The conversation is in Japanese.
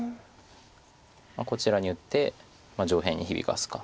こちらに打って上辺に響かすか。